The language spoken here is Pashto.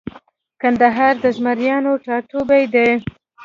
کندهار د زمریانو ټاټوبۍ دی